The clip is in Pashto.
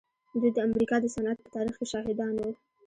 دوی د امريکا د صنعت په تاريخ کې شاهدان وو.